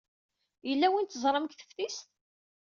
Yella win teẓram deg teftist?